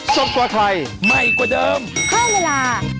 สวัสดีค่ะ